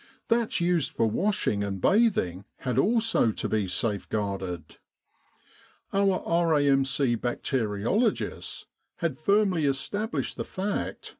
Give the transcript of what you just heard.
That used for washing and bathing had also to be safeguarded. Our R.A.M.C. bacteriologists had firmly established the fact that 107 With the R.A.M.C.